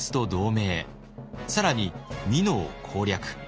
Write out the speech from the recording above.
更に美濃を攻略。